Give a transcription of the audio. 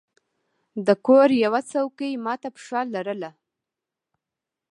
د کور یوه څوکۍ مات پښه لرله.